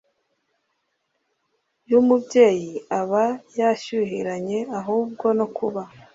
yumubyeyi aba yashyuhiranye ahubwo no kuba